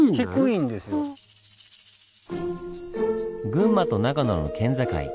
群馬と長野の県境。